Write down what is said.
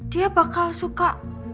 dia bakal suka